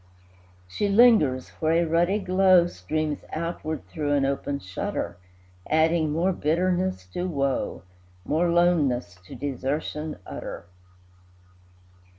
She lingers where a ruddy glow Streams outward through an open shutter, Adding more bitterness to woe, More loneness to desertion utter.